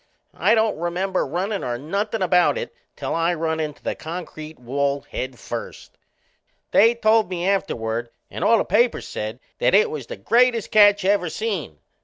I don't remember runnin' or nothin' about it till I run into the concrete wall head first. They told me afterward and all the papers said that it was the greatest catch ever seen.